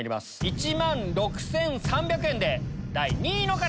１万６３００円で第２位の方！